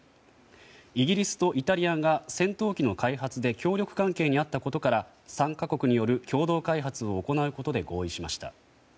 イギリスとイタリアが戦闘機の開発で協力関係にあったことから３か国による共同開発を行うことで合意しました。